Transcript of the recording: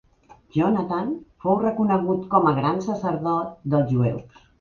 Jonatan fou reconegut com a gran sacerdot dels jueus.